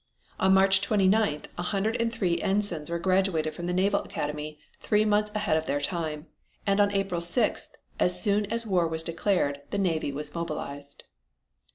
On March 29th a hundred and three ensigns were graduated from the Naval Academy three months ahead of their time, and on April 6th, as soon as war was declared, the Navy was mobilized.